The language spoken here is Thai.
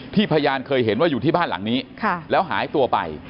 พยานเคยเห็นว่าอยู่ที่บ้านหลังนี้แล้วหายตัวไป